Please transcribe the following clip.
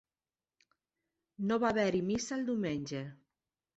No va haver-hi missa el diumenge.